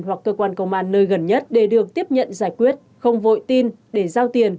hoặc cơ quan công an nơi gần nhất để được tiếp nhận giải quyết không vội tin để giao tiền